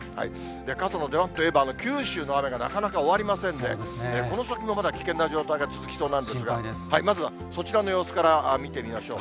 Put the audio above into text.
傘の出番といえば、九州の雨がなかなか終わりませんで、この先もまだ危険な状態が続きそうなんですが、まずはそちらの様子から見てみましょう。